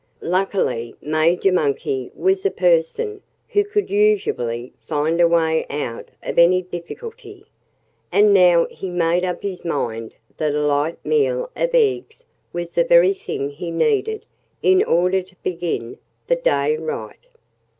Luckily Major Monkey was a person who could usually find a way out of any difficulty. And now he made up his mind that a light meal of eggs was the very thing he needed in order to begin the day right.